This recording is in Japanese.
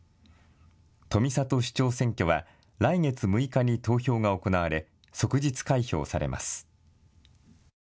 富里市長選挙は来月６日に投票が行われ即日開票されます。